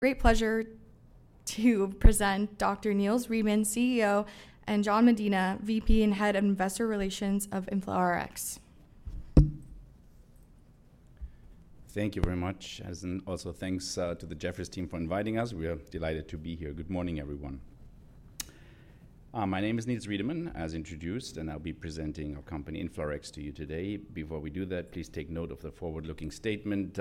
Great pleasure to present Dr. Niels Riedemann, CEO, and John Medina, VP and Head of Investor Relations of InflaRx. Thank you very much, and also thanks to the Jefferies team for inviting us. We are delighted to be here. Good morning, everyone. My name is Niels Riedemann, as introduced, and I'll be presenting our company, InflaRx, to you today. Before we do that, please take note of the forward-looking statement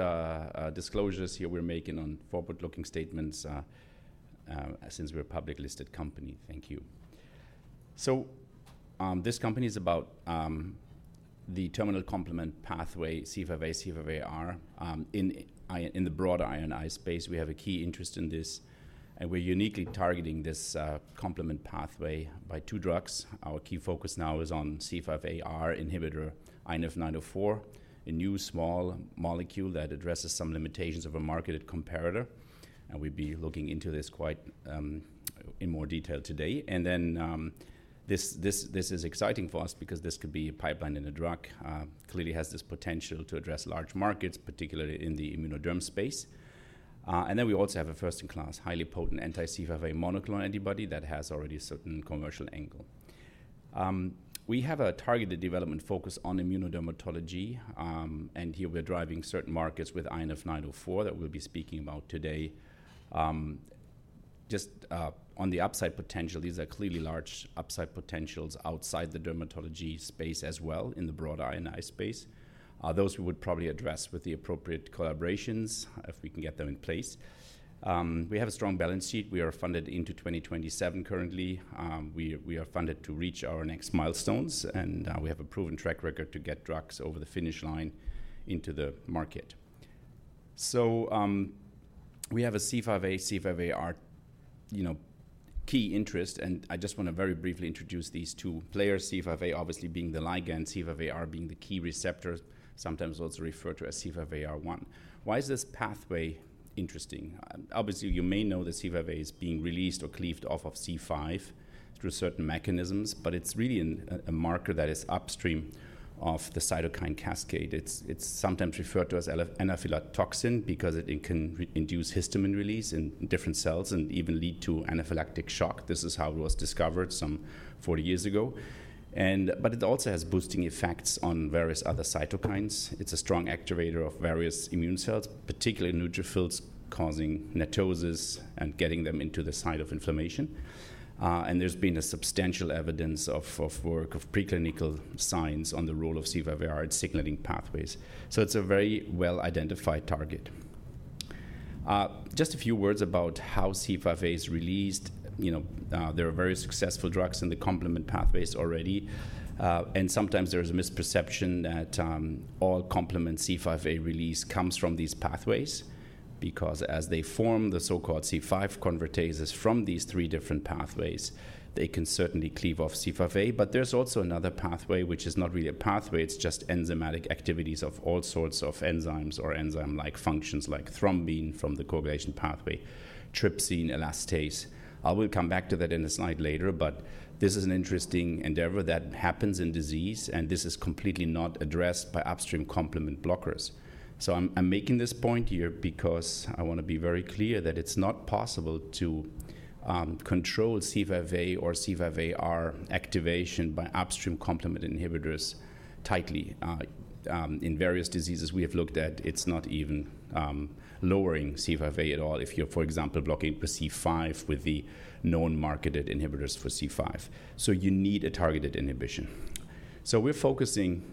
disclosures here. We're making on forward-looking statements since we're a publicly listed company. Thank you. This company is about the terminal complement pathway C5a/C5aR. In the broader INI space, we have a key interest in this, and we're uniquely targeting this complement pathway by two drugs. Our key focus now is on C5aR inhibitor INF-904, a new small molecule that addresses some limitations of a marketed comparator. We'll be looking into this quite in more detail today. This is exciting for us because this could be a pipeline in a drug. Clearly, it has this potential to address large markets, particularly in the immunoderm space. We also have a first-in-class, highly potent anti-C5a monoclonal antibody that has already a certain commercial angle. We have a targeted development focus on immunodermatology, and here we're driving certain markets with INF-904 that we'll be speaking about today. Just on the upside potential, these are clearly large upside potentials outside the dermatology space as well in the broader INI space. Those we would probably address with the appropriate collaborations if we can get them in place. We have a strong balance sheet. We are funded into 2027 currently. We are funded to reach our next milestones, and we have a proven track record to get drugs over the finish line into the market. We have a C5a/C5aR key interest, and I just want to very briefly introduce these two players, C5a obviously being the ligand, C5aR being the key receptor, sometimes also referred to as C5aR1. Why is this pathway interesting? Obviously, you may know that C5a is being released or cleaved off of C5 through certain mechanisms, but it's really a marker that is upstream of the cytokine cascade. It's sometimes referred to as anaphylaxis toxin because it can induce histamine release in different cells and even lead to anaphylactic shock. This is how it was discovered some 40 years ago. It also has boosting effects on various other cytokines. It's a strong activator of various immune cells, particularly neutrophils, causing NETosis and getting them into the site of inflammation. There's been substantial evidence of work of preclinical science on the role of C5aR in signaling pathways. It's a very well-identified target. Just a few words about how C5a is released. There are very successful drugs in the complement pathways already, and sometimes there's a misperception that all complement C5a release comes from these pathways because as they form the so-called C5 convertases from these three different pathways, they can certainly cleave off C5a. There's also another pathway which is not really a pathway. It's just enzymatic activities of all sorts of enzymes or enzyme-like functions like thrombin from the coagulation pathway, trypsin, elastase. I will come back to that in a slide later, but this is an interesting endeavor that happens in disease, and this is completely not addressed by upstream complement blockers. I'm making this point here because I want to be very clear that it's not possible to control C5a or C5aR activation by upstream complement inhibitors tightly. In various diseases we have looked at, it's not even lowering C5a at all if you're, for example, blocking per C5 with the known marketed inhibitors for C5. You need a targeted inhibition. We're focusing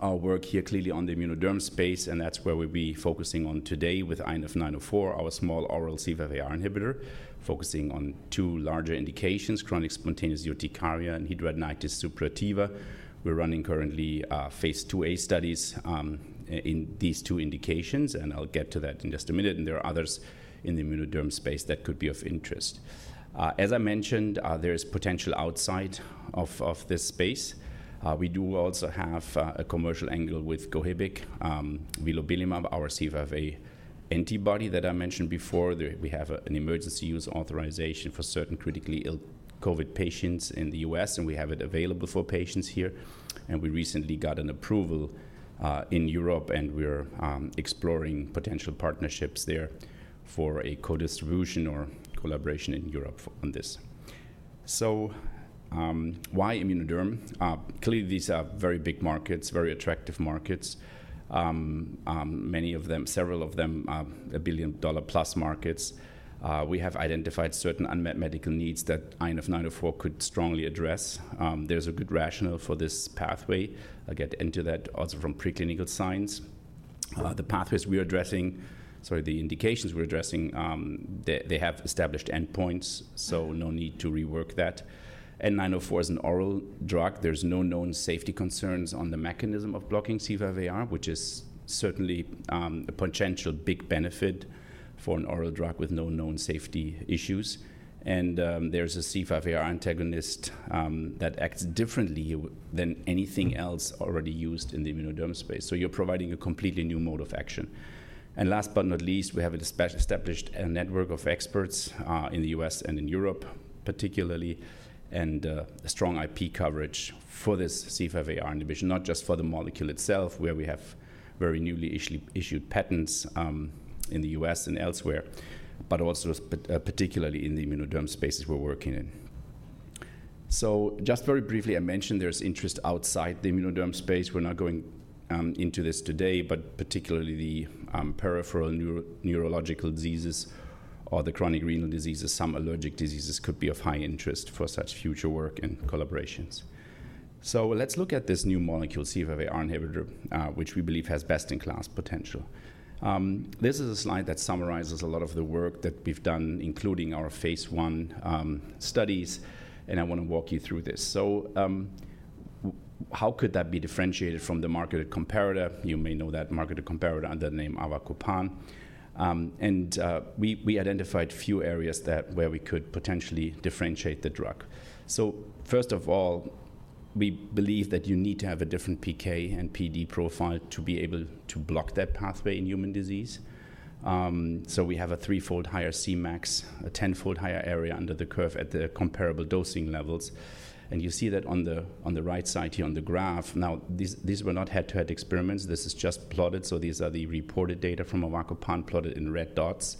our work here clearly on the immunoderm space, and that's where we'll be focusing on today with INF-904, our small oral C5aR inhibitor, focusing on two larger indications: chronic spontaneous urticaria and hidradenitis suppurativa. We're running currently phase 2a studies in these two indications, and I'll get to that in just a minute. There are others in the immunoderm space that could be of interest. As I mentioned, there is potential outside of this space. We do also have a commercial angle with Gohibic vilobelimab, our C5a antibody that I mentioned before. We have an emergency use authorization for certain critically ill COVID patients in the U.S., and we have it available for patients here. We recently got an approval in Europe, and we're exploring potential partnerships there for a co-distribution or collaboration in Europe on this. Why immunoderm? Clearly, these are very big markets, very attractive markets, many of them, several of them, a billion dollar plus markets. We have identified certain unmet medical needs that INF-904 could strongly address. There's a good rationale for this pathway. I'll get into that also from preclinical science. The pathways we're addressing, sorry, the indications we're addressing, they have established endpoints, so no need to rework that. INF-904 is an oral drug. There's no known safety concerns on the mechanism of blocking C5aR, which is certainly a potential big benefit for an oral drug with no known safety issues. There is a C5aR antagonist that acts differently than anything else already used in the immunoderm space. You are providing a completely new mode of action. Last but not least, we have established a network of experts in the US and in Europe, particularly, and a strong IP coverage for this C5aR inhibition, not just for the molecule itself, where we have very newly issued patents in the U.S. and elsewhere, but also particularly in the immunoderm spaces we are working in. Just very briefly, I mentioned there is interest outside the immunoderm space. We are not going into this today, but particularly the peripheral neurological diseases or the chronic renal diseases, some allergic diseases could be of high interest for such future work and collaborations. Let's look at this new molecule, C5aR inhibitor, which we believe has best-in-class potential. This is a slide that summarizes a lot of the work that we've done, including our phase I studies, and I want to walk you through this. How could that be differentiated from the marketed comparator? You may know that marketed comparator under the name avacopan. We identified a few areas where we could potentially differentiate the drug. First of all, we believe that you need to have a different PK and PD profile to be able to block that pathway in human disease. We have a threefold higher Cmax, a tenfold higher area under the curve at the comparable dosing levels. You see that on the right side here on the graph. These were not head-to-head experiments. This is just plotted. These are the reported data from avacopan, plotted in red dots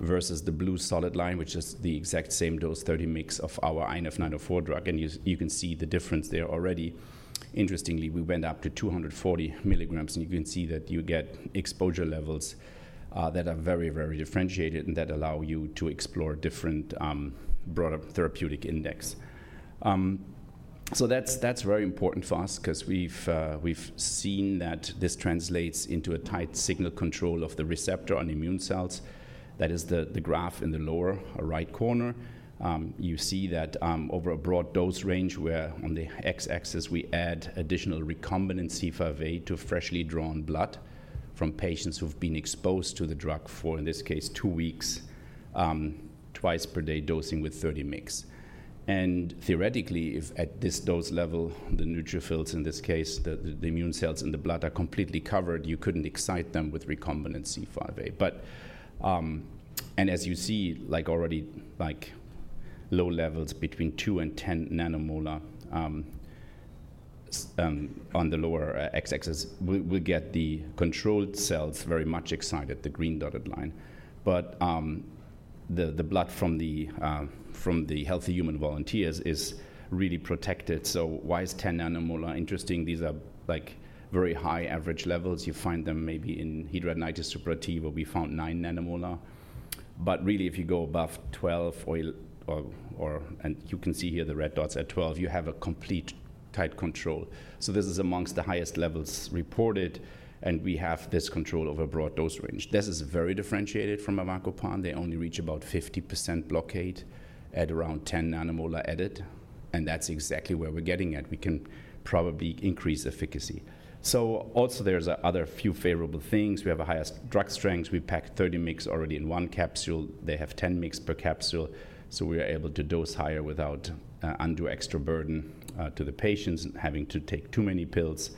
versus the blue solid line, which is the exact same dose, 30 mg, of our INF-904 drug. You can see the difference there already. Interestingly, we went up to 240 mg, and you can see that you get exposure levels that are very, very differentiated and that allow you to explore different, broader therapeutic index. That is very important for us because we've seen that this translates into a tight signal control of the receptor on immune cells. That is the graph in the lower right corner. You see that over a broad dose range where, on the x-axis, we add additional recombinant C5a to freshly drawn blood from patients who've been exposed to the drug for, in this case, two weeks, twice per day dosing with 30 mg. Theoretically, if at this dose level, the neutrophils in this case, the immune cells in the blood are completely covered, you could not excite them with recombinant C5a. As you see, already low levels between 2 and 10 nanomolar on the lower x-axis will get the controlled cells very much excited, the green dotted line. The blood from the healthy human volunteers is really protected. Why is 10 nanomolar interesting? These are very high average levels. You find them maybe in hidradenitis suppurativa, we found 9 nanomolar. If you go above 12, and you can see here the red dots at 12, you have a complete tight control. This is among the highest levels reported, and we have this control over a broad dose range. This is very differentiated from avacopan. They only reach about 50% blockade at around 10 nanomolar added, and that's exactly where we're getting at. We can probably increase efficacy. There are also a few other favorable things. We have a higher drug strength. We pack 30 mg already in one capsule. They have 10 mg per capsule, so we are able to dose higher without undue extra burden to the patients and having to take too many pills.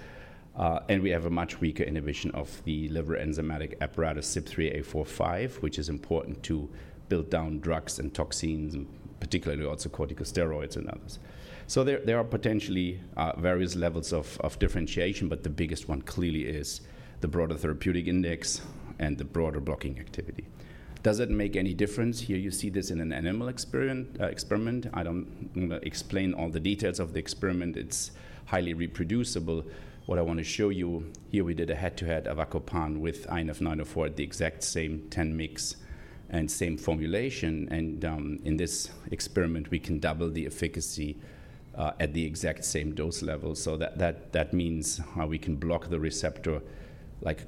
We have a much weaker inhibition of the liver enzymatic apparatus CYP3A4/5, which is important to build down drugs and toxins, particularly also corticosteroids and others. There are potentially various levels of differentiation, but the biggest one clearly is the broader therapeutic index and the broader blocking activity. Does it make any difference? Here you see this in an animal experiment. I don't explain all the details of the experiment. It's highly reproducible. What I want to show you here, we did a head-to-head avacopan with INF-904 at the exact same 10 mg and same formulation. In this experiment, we can double the efficacy at the exact same dose level. That means we can block the receptor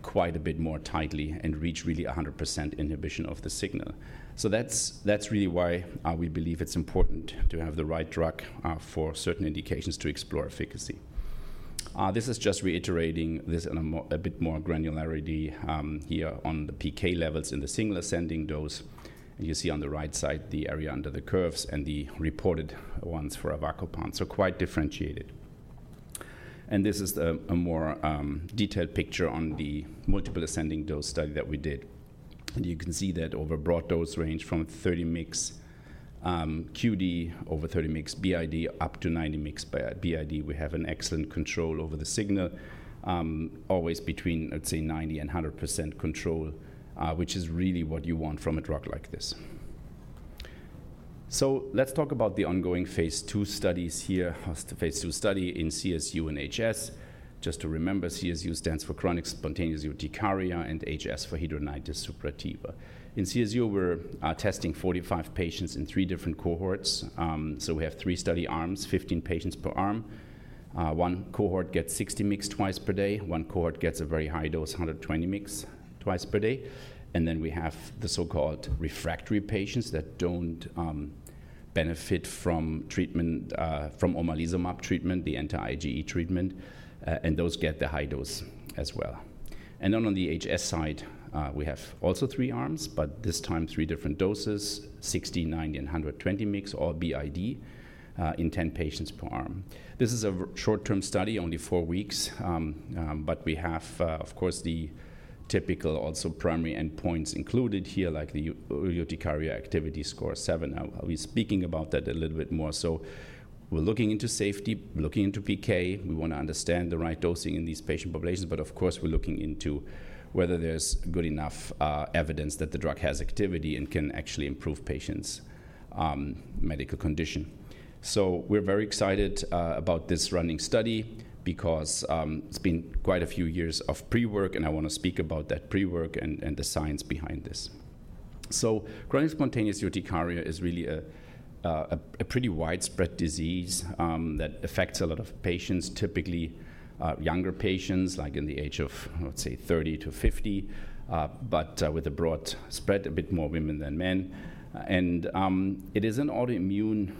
quite a bit more tightly and reach really 100% inhibition of the signal. That is really why we believe it is important to have the right drug for certain indications to explore efficacy. This is just reiterating this in a bit more granularity here on the PK levels in the single ascending dose. You see on the right side the area under the curves and the reported ones for avacopan. Quite differentiated. This is a more detailed picture on the multiple ascending dose study that we did. You can see that over a broad dose range from 30 mg QD over 30 mg BID up to 90 mg BID, we have an excellent control over the signal, always between, I'd say, 90% and 100% control, which is really what you want from a drug like this. Let's talk about the ongoing phase II studies here, phase II study in CSU and HS. Just to remember, CSU stands for chronic spontaneous urticaria and HS for hidradenitis suppurativa. In CSU, we're testing 45 patients in three different cohorts. We have three study arms, 15 patients per arm. One cohort gets 60 mg twice per day. One cohort gets a very high dose, 120 mg twice per day. Then we have the so-called refractory patients that don't benefit from treatment, from omalizumab treatment, the anti-IgE treatment, and those get the high dose as well. On the HS side, we have also three arms, but this time three different doses, 60, 90, and 120 mg, all BID in 10 patients per arm. This is a short-term study, only four weeks, but we have, of course, the typical also primary endpoints included here, like the urticaria activity score 7. I'll be speaking about that a little bit more. We are looking into safety, we are looking into PK, we want to understand the right dosing in these patient populations, but of course, we are looking into whether there is good enough evidence that the drug has activity and can actually improve patients' medical condition. We are very excited about this running study because it has been quite a few years of pre-work, and I want to speak about that pre-work and the science behind this. Chronic spontaneous urticaria is really a pretty widespread disease that affects a lot of patients, typically younger patients, like in the age of, let's say, 30 to 50, but with a broad spread, a bit more women than men. It is an autoimmune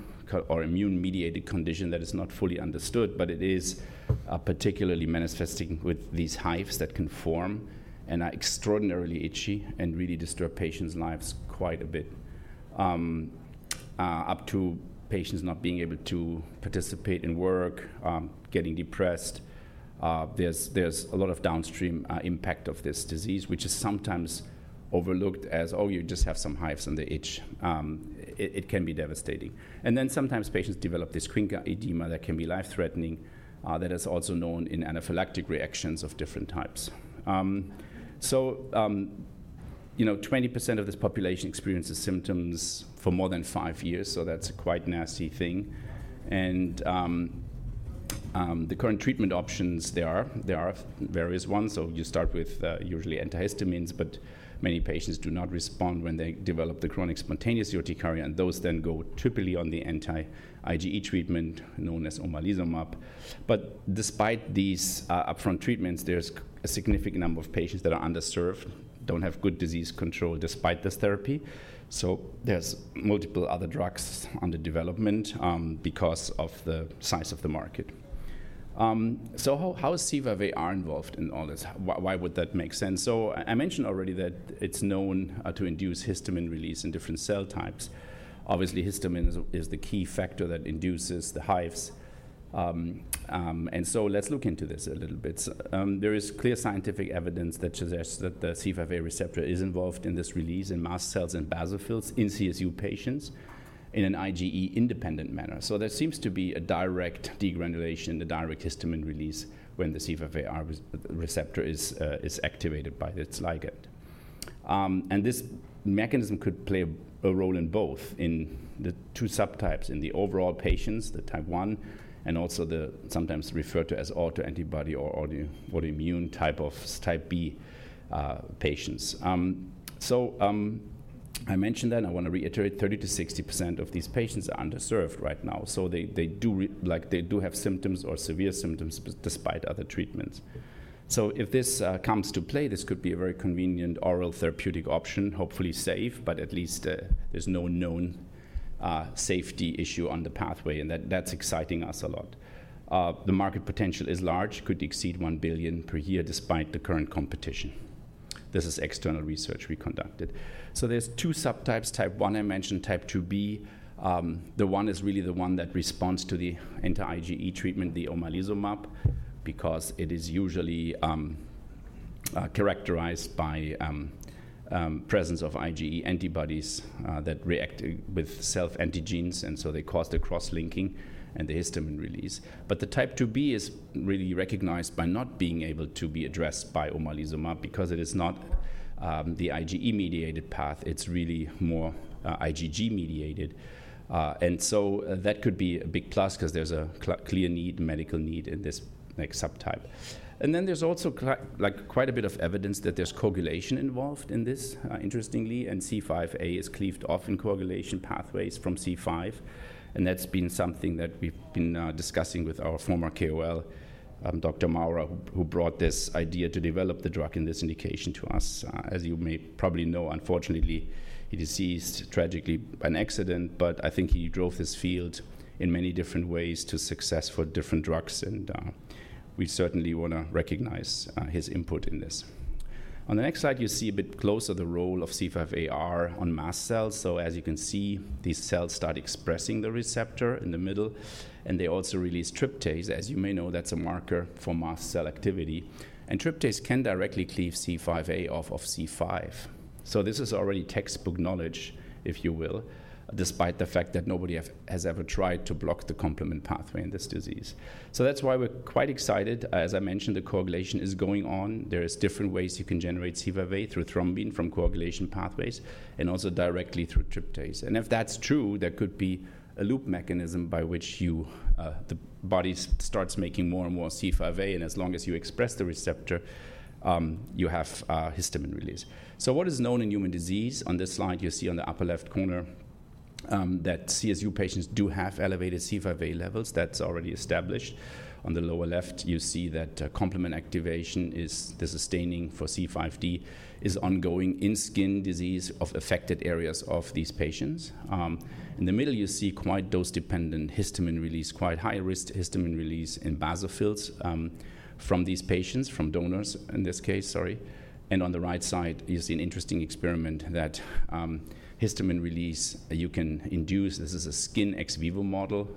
or immune-mediated condition that is not fully understood, but it is particularly manifesting with these hives that can form and are extraordinarily itchy and really disturb patients' lives quite a bit, up to patients not being able to participate in work, getting depressed. There's a lot of downstream impact of this disease, which is sometimes overlooked as, "Oh, you just have some hives and they itch." It can be devastating. Sometimes patients develop this Quincke edema that can be life-threatening that is also known in anaphylactic reactions of different types. Twenty percent of this population experiences symptoms for more than five years, so that's a quite nasty thing. The current treatment options, there are various ones. You start with usually antihistamines, but many patients do not respond when they develop the chronic spontaneous urticaria, and those then go typically on the anti-IgE treatment known as omalizumab. Despite these upfront treatments, there's a significant number of patients that are underserved, do not have good disease control despite this therapy. There are multiple other drugs under development because of the size of the market. How is C5aR involved in all this? Why would that make sense? I mentioned already that it's known to induce histamine release in different cell types. Obviously, histamine is the key factor that induces the hives. Let's look into this a little bit. There is clear scientific evidence that suggests that the C5a receptor is involved in this release in mast cells and basophils in CSU patients in an IgE-independent manner. There seems to be a direct degranulation, a direct histamine release when the C5aR receptor is activated by its ligand. This mechanism could play a role in both, in the two subtypes, in the overall patients, the type one, and also the sometimes referred to as autoantibody or autoimmune type of type 2B patients. I mentioned that, and I want to reiterate, 30%-60% of these patients are underserved right now. They do have symptoms or severe symptoms despite other treatments. If this comes to play, this could be a very convenient oral therapeutic option, hopefully safe, but at least there is no known safety issue on the pathway, and that is exciting us a lot. The market potential is large, could exceed $1 billion per year despite the current competition. This is external research we conducted. There are two subtypes, type one I mentioned, type 2B. The one is really the one that responds to the anti-IgE treatment, the omalizumab, because it is usually characterized by presence of IgE antibodies that react with self-antigens, and they cause the cross-linking and the histamine release. The type 2B is really recognized by not being able to be addressed by omalizumab because it is not the IgE-mediated path. It is really more IgG-mediated. That could be a big plus because there is a clear need, medical need in this next subtype. There is also quite a bit of evidence that there is coagulation involved in this, interestingly, and C5a is cleaved off in coagulation pathways from C5. That has been something that we've been discussing with our former KOL, Dr. Maurer, who brought this idea to develop the drug in this indication to us. As you may probably know, unfortunately, he deceased tragically by an accident, but I think he drove this field in many different ways to success for different drugs, and we certainly want to recognize his input in this. On the next slide, you see a bit closer the role of C5aR on mast cells. As you can see, these cells start expressing the receptor in the middle, and they also release tryptase. As you may know, that's a marker for mast cell activity. Tryptase can directly cleave C5a off of C5. This is already textbook knowledge, if you will, despite the fact that nobody has ever tried to block the complement pathway in this disease. That's why we're quite excited. As I mentioned, the coagulation is going on. There are different ways you can generate C5a through thrombin from coagulation pathways and also directly through tryptase. If that's true, there could be a loop mechanism by which the body starts making more and more C5a, and as long as you express the receptor, you have histamine release. What is known in human disease? On this slide, you see on the upper left corner that CSU patients do have elevated C5a levels. That's already established. On the lower left, you see that complement activation is the sustaining for C5a is ongoing in skin disease of affected areas of these patients. In the middle, you see quite dose-dependent histamine release, quite high-risk histamine release in basophils from these patients, from donors in this case, sorry. On the right side, you see an interesting experiment that histamine release you can induce. This is a skin ex vivo model.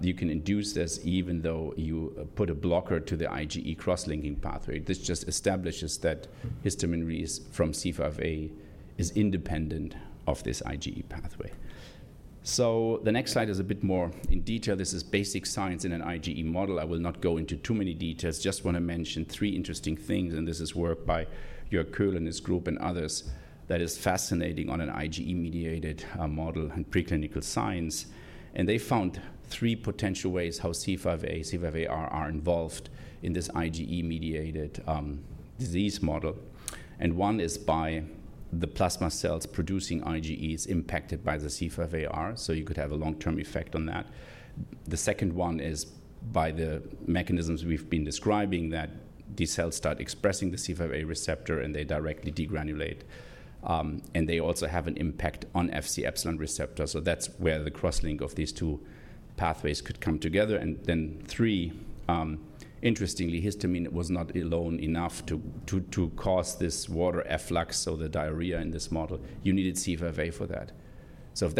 You can induce this even though you put a blocker to the IgE cross-linking pathway. This just establishes that histamine release from C5a is independent of this IgE pathway. The next slide is a bit more in detail. This is basic science in an IgE model. I will not go into too many details. I just want to mention three interesting things, and this is work by Jörg Köhler and his group and others that is fascinating on an IgE-mediated model and preclinical science. They found three potential ways how C5a, C5aR are involved in this IgE-mediated disease model. One is by the plasma cells producing IgEs impacted by the C5aR, so you could have a long-term effect on that. The second one is by the mechanisms we've been describing that these cells start expressing the C5a receptor and they directly degranulate. They also have an impact on FC epsilon receptor. That is where the cross-link of these two pathways could come together. Three, interestingly, histamine was not alone enough to cause this water efflux, so the diarrhea in this model. You needed C5a for that. If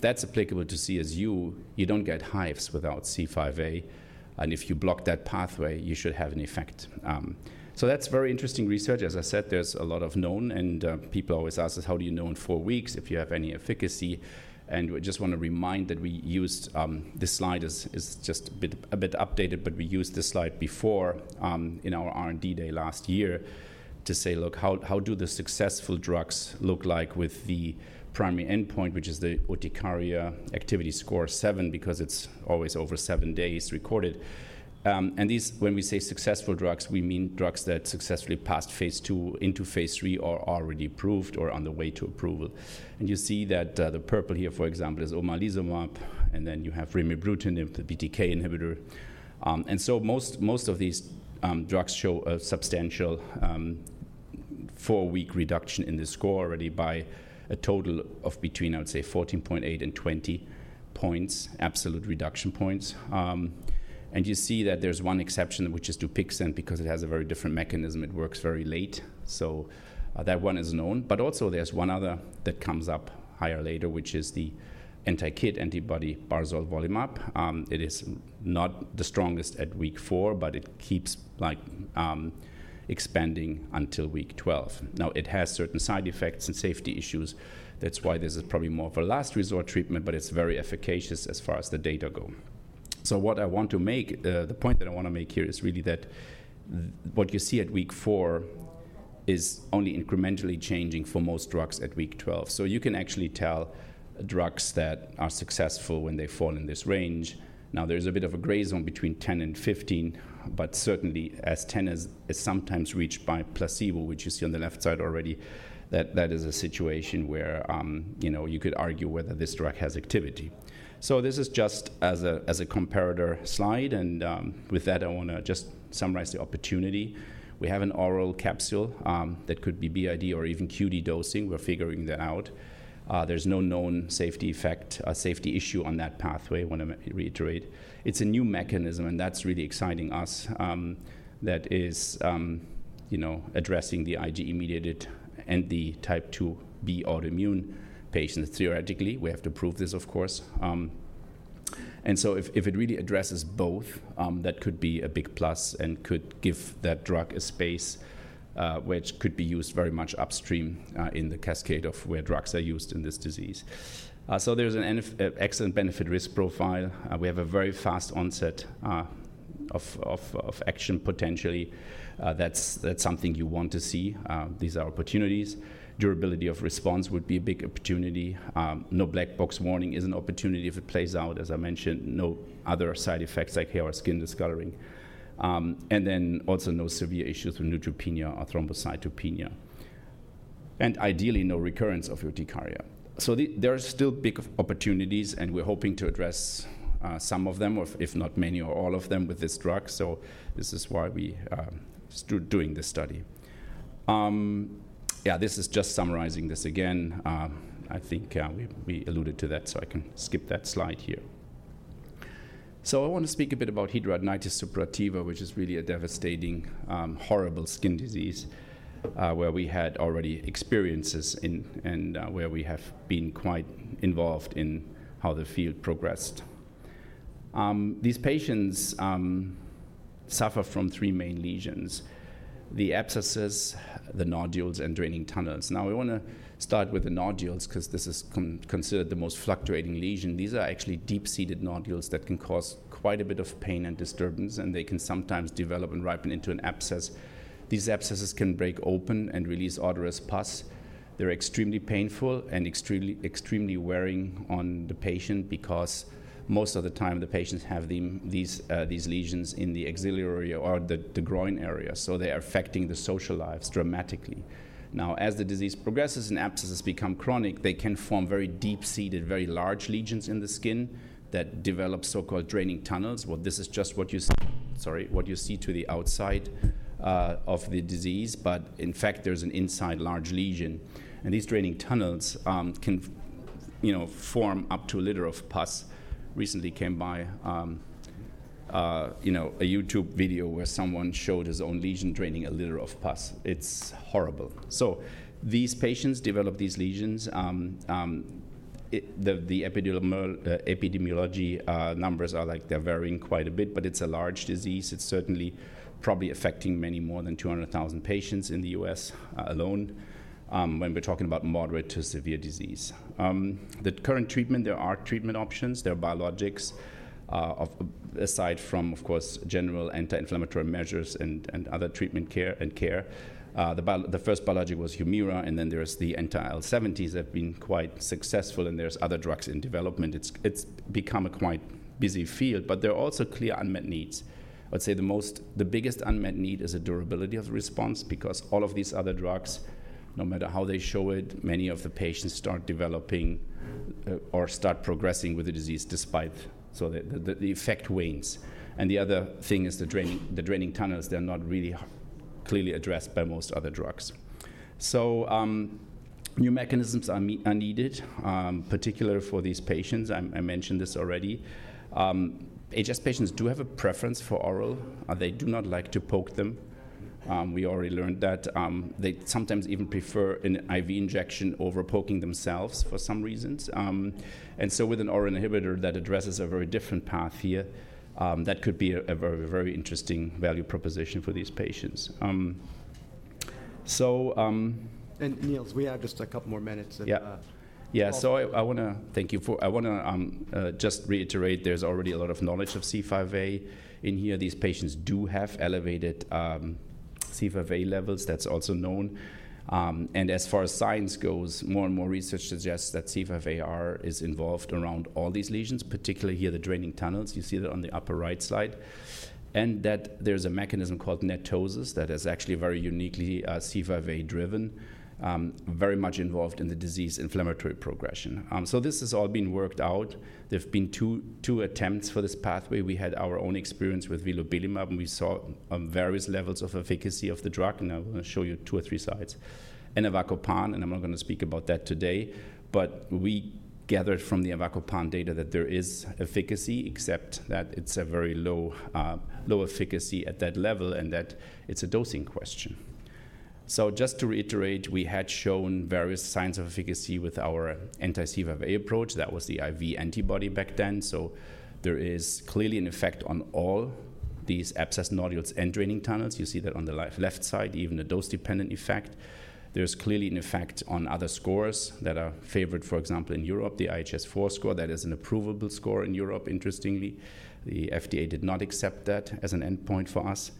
that is applicable to CSU, you do not get hives without C5a. If you block that pathway, you should have an effect. That is very interesting research. As I said, there's a lot of known, and people always ask us, "How do you know in four weeks if you have any efficacy?" We just want to remind that we used this slide, it is just a bit updated, but we used this slide before in our R&D day last year to say, "Look, how do the successful drugs look like with the primary endpoint, which is the urticaria activity score seven because it's always over seven days recorded?" When we say successful drugs, we mean drugs that successfully passed phase II into phase III or are already approved or on the way to approval. You see that the purple here, for example, is omalizumab, and then you have remibrutinib with the BTK inhibitor. Most of these drugs show a substantial four-week reduction in the score already by a total of between, I would say, 14.8 and 20 points, absolute reduction points. You see that there is one exception, which is Dupixent, because it has a very different mechanism. It works very late. That one is known. Also, there is one other that comes up higher later, which is the anti-KIT antibody barzolvolimab. It is not the strongest at week four, but it keeps expanding until week 12. It has certain side effects and safety issues. That is why this is probably more of a last resort treatment, but it is very efficacious as far as the data go. What I want to make, the point that I want to make here is really that what you see at week four is only incrementally changing for most drugs at week 12. You can actually tell drugs that are successful when they fall in this range. Now, there is a bit of a gray zone between 10-15, but certainly as 10 is sometimes reached by placebo, which you see on the left side already, that is a situation where you could argue whether this drug has activity. This is just as a comparator slide. With that, I want to just summarize the opportunity. We have an oral capsule that could be BID or even QD dosing. We are figuring that out. There is no known safety issue on that pathway. I want to reiterate. It's a new mechanism, and that's really exciting us that is addressing the IgE-mediated and the type 2B autoimmune patients. Theoretically, we have to prove this, of course. If it really addresses both, that could be a big plus and could give that drug a space which could be used very much upstream in the cascade of where drugs are used in this disease. There is an excellent benefit-risk profile. We have a very fast onset of action potentially. That's something you want to see. These are opportunities. Durability of response would be a big opportunity. No black box warning is an opportunity if it plays out, as I mentioned, no other side effects like hair or skin discoloring. Also, no severe issues with neutropenia or thrombocytopenia. Ideally, no recurrence of urticaria. There are still big opportunities, and we're hoping to address some of them, if not many or all of them with this drug. This is why we stood doing this study. Yeah, this is just summarizing this again. I think we alluded to that, so I can skip that slide here. I want to speak a bit about hidradenitis suppurativa, which is really a devastating, horrible skin disease where we had already experiences and where we have been quite involved in how the field progressed. These patients suffer from three main lesions: the abscesses, the nodules, and draining tunnels. Now, we want to start with the nodules because this is considered the most fluctuating lesion. These are actually deep-seated nodules that can cause quite a bit of pain and disturbance, and they can sometimes develop and ripen into an abscess. These abscesses can break open and release odorous pus. They're extremely painful and extremely wearing on the patient because most of the time, the patients have these lesions in the axillary area or the groin area. They are affecting the social lives dramatically. As the disease progresses and abscesses become chronic, they can form very deep-seated, very large lesions in the skin that develop so-called draining tunnels. This is just what you see, sorry, what you see to the outside of the disease, but in fact, there's an inside large lesion. These draining tunnels can form up to a liter of pus. Recently, I came by a YouTube video where someone showed his own lesion draining a liter of pus. It's horrible. These patients develop these lesions. The epidemiology numbers are like they're varying quite a bit, but it's a large disease. It's certainly probably affecting many more than 200,000 patients in the U.S. alone when we're talking about moderate to severe disease. The current treatment, there are treatment options. There are biologics aside from, of course, general anti-inflammatory measures and other treatment and care. The first biologic was Humira, and then there's the anti-IL-17s that have been quite successful, and there's other drugs in development. It's become a quite busy field, but there are also clear unmet needs. I'd say the biggest unmet need is the durability of the response because all of these other drugs, no matter how they show it, many of the patients start developing or start progressing with the disease despite so the effect wanes. The other thing is the draining tunnels. They're not really clearly addressed by most other drugs. New mechanisms are needed, particularly for these patients. I mentioned this already. HS patients do have a preference for oral. They do not like to poke them. We already learned that. They sometimes even prefer an IV injection over poking themselves for some reasons. With an oral inhibitor that addresses a very different path here, that could be a very, very interesting value proposition for these patients. Niels, we have just a couple more minutes. Yeah. Yeah. I want to thank you for—I want to just reiterate there's already a lot of knowledge of C5a in here. These patients do have elevated C5a levels. That's also known. As far as science goes, more and more research suggests that C5aR is involved around all these lesions, particularly here the draining tunnels. You see that on the upper right side. There is a mechanism called NETosis that is actually very uniquely C5a-driven, very much involved in the disease inflammatory progression. This has all been worked out. There have been two attempts for this pathway. We had our own experience with vilobelimab, and we saw various levels of efficacy of the drug. I am going to show you two or three sites. And avacopan, I am not going to speak about that today, but we gathered from the avacopan data that there is efficacy, except that it is a very low efficacy at that level and that it is a dosing question. Just to reiterate, we had shown various signs of efficacy with our anti-C5a approach. That was the IV antibody back then. There is clearly an effect on all these abscess nodules and draining tunnels. You see that on the left side, even a dose-dependent effect. There's clearly an effect on other scores that are favored, for example, in Europe, the IHS4 score. That is an approvable score in Europe, interestingly. The FDA did not accept that as an endpoint for us.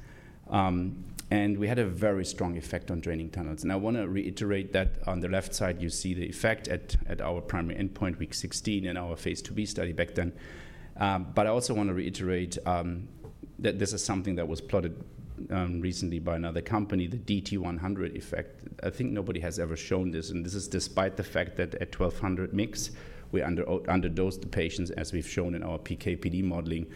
We had a very strong effect on draining tunnels. I want to reiterate that on the left side, you see the effect at our primary endpoint, week 16, in our phase 2b study back then. I also want to reiterate that this is something that was plotted recently by another company, the DT100 effect. I think nobody has ever shown this, and this is despite the fact that at 1200 mg, we underdosed the patients as we've shown in our PKPD modeling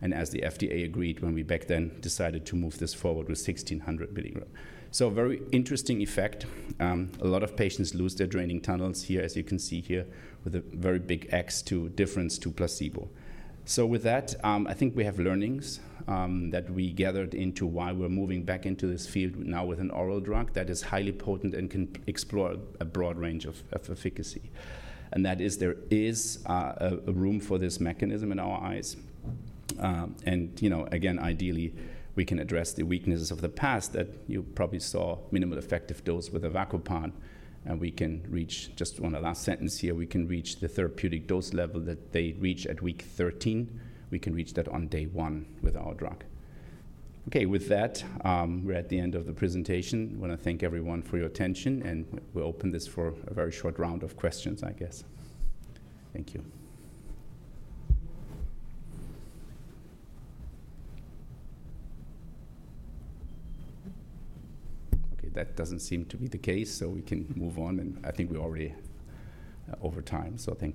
and as the FDA agreed when we back then decided to move this forward with 1600 milligrams. Very interesting effect. A lot of patients lose their draining tunnels here, as you can see here with a very big X to difference to placebo. With that, I think we have learnings that we gathered into why we're moving back into this field now with an oral drug that is highly potent and can explore a broad range of efficacy. That is, there is a room for this mechanism in our eyes. Again, ideally, we can address the weaknesses of the past that you probably saw minimal effective dose with avacopan. We can reach just one last sentence here. We can reach the therapeutic dose level that they reach at week 13. We can reach that on day one with our drug. Okay. With that, we're at the end of the presentation. I want to thank everyone for your attention, and we'll open this for a very short round of questions, I guess. Thank you. Okay. That doesn't seem to be the case, so we can move on, and I think we're already over time, so thank you.